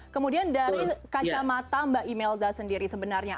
kemudian dari kacamata mbak imelda sendiri sebenarnya